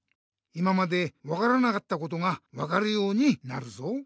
今まで分からなかったことが分かるようになるぞ。